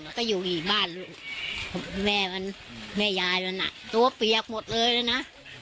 แล้วก็อยู่อีกบ้านลูกแม่มันแม่ยายมันอ่ะตัวเปียกหมดเลยนะ